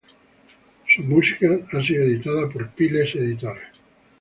Su música ha sido editada por Piles, Ed.